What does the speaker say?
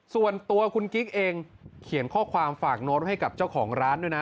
ส่วนตัวคุณกิ๊กเองเขียนข้อความฝากโน้ตให้กับเจ้าของร้านด้วยนะ